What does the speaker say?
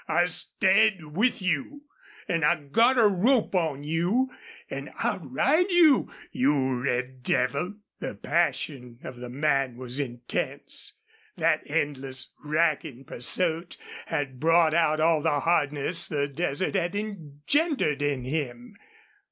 "I stayed with you! ... An' I got a rope on you! An' I'll ride you you red devil!" The passion of the man was intense. That endless, racking pursuit had brought out all the hardness the desert had engendered in him.